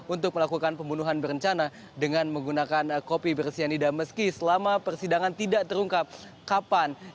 untuk melakukan pembunuhan berencana dengan menggunakan kopi bersianida meski selama persidangan tidak terungkap kapan